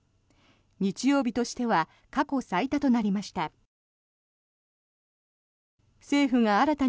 日曜日としては過去最多となりました。